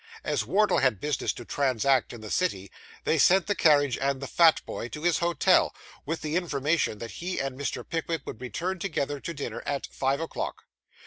As Wardle had business to transact in the city, they sent the carriage and the fat boy to his hotel, with the information that he and Mr. Pickwick would return together to dinner at five o'clock.